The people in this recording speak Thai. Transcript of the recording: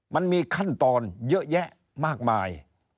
มันมีขั้นตอนเยอะแยะมากมาย